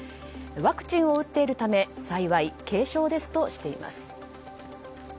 ワクチンを打っているため幸い軽症ですとしています。